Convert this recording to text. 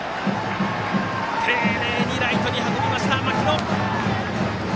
丁寧にライトに運びました、牧野。